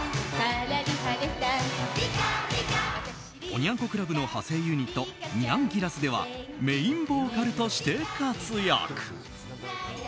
おニャン子クラブの派生ユニット、ニャンギラスではメインボーカルとして活躍。